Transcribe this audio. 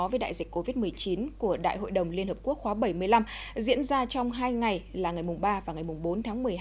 với đại dịch covid một mươi chín của đại hội đồng liên hợp quốc khóa bảy mươi năm diễn ra trong hai ngày là ngày ba và ngày bốn tháng một mươi hai